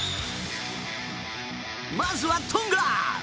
まずは、トンガ！